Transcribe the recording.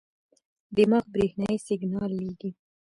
دماغ برېښنايي سیګنال لېږي.